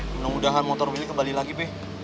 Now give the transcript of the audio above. semoga motor will kembali lagi be